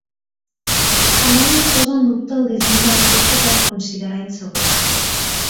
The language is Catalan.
En ell es posa en dubte el disseny del cotxe per considerar insegur.